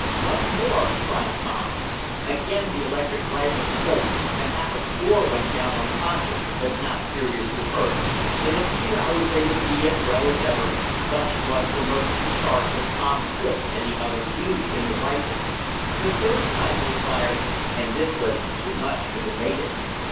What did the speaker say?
"Once more!" cried Tom. Again the electric rifles spoke, and half a score went down unconscious, but not seriously hurt. In a few hours they would be as well as ever, such was the merciful charge that Tom Swift and the others used in the rifles. The third time they fired, and this was too much for the natives.